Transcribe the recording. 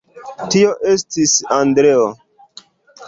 Tio estis Andreo.